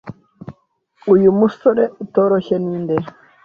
Uyu musore utoroshye ninde?